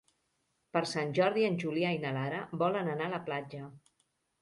Per Sant Jordi en Julià i na Lara volen anar a la platja.